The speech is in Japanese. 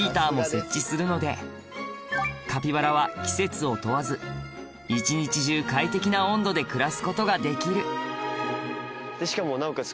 カピバラは季節を問わず一日中快適な温度で暮らすことができるでしかもなおかつ